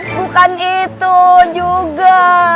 bukan itu juga